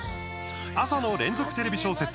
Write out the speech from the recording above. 朝の連続テレビ小説